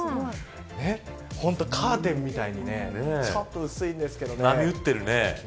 本当にカーテンみたいにねちょっと薄いんですけどね。